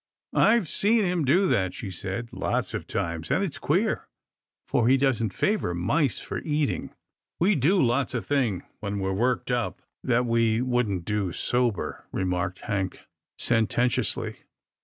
" I've seen him do that," she said, lots of times, and it's queer, for he doesn't favour mice for eating." " We do lots of thing when we're worked up, that we wouldn't do sober," remarked Hank sen tentiously.